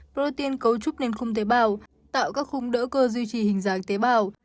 protein cấu trúc nên khung tế bào tạo các khung đỡ cơ duy trì hình dạng tế bào